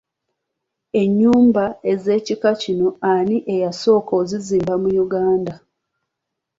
Ennyumba ez'ekika kino ani yasooka okuzizimba mu Uganda?